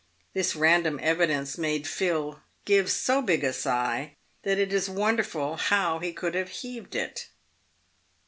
This random evidence made Phil give so big a sigh that it is wonderful how he could have heaved it.